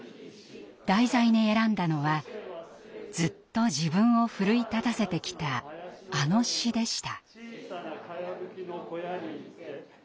題材に選んだのはずっと自分を奮い立たせてきたあの詩でした。